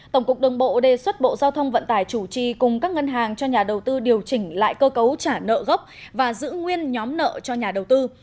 tổng cục đường bộ đề xuất bộ giao thông vận tải chủ trì cùng các ngân hàng cho nhà đầu tư điều chỉnh lại cơ cấu trả nợ gốc và giữ nguyên nhóm nợ cho nhà đầu tư